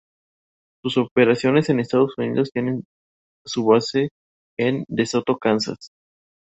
Sus operaciones en Estados Unidos tienen su base en De Soto, Kansas.